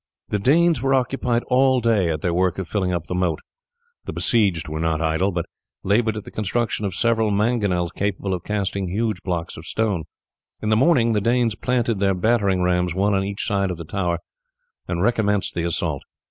The Danes were occupied all day at their work of filling up the moat. The besieged were not idle, but laboured at the construction of several mangonels capable of casting huge blocks of stone. In the morning the Danes planted their battering rams, one on each side of the tower, and recommenced the assault.